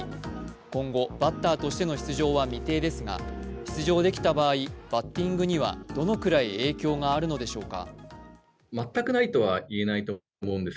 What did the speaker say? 今後、バッターとしての出場は未定ですが出場できた場合、バッティングにはどのくらい影響があるのでしょうか。